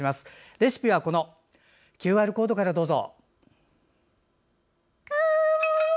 レシピはＱＲコードからどうぞ。